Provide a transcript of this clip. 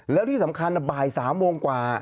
แล้วที่สำคัญบ่าย๓โมงกว่า